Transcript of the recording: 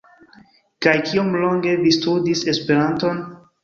Kaj kiom longe vi studis Esperanton?